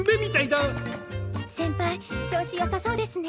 先輩調子よさそうですね。